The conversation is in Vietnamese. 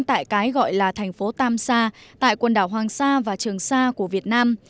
tại cái gọi là thành phố tam sa tại quần đảo hoàng sa và trường sa của việt nam